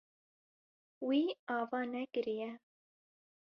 Wî ava nekiriye.